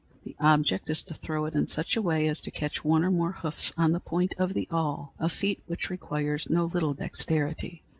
The object is to throw it in such a way as to catch one or more hoofs on the point of the awl, a feat which requires no little dexterity.